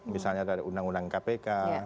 misalnya dari undang undang kpk